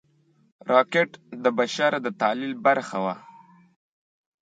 راکټ د بشر د تخیل برخه وه